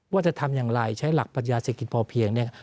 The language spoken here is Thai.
ว่าจะทำอย่างไรใช้หลักปัญญาเศรษฐกิจพอเพียงเนี่ย